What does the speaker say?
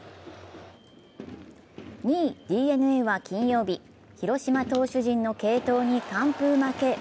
２位・ＤｅＮＡは金曜日、広島投手陣の継投に完封負け。